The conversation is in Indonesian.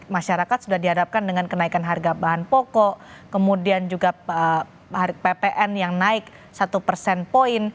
masyarakat sudah dihadapkan dengan kenaikan harga bahan pokok kemudian juga ppn yang naik satu persen poin